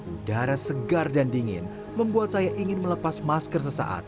udara segar dan dingin membuat saya ingin melepas masker sesaat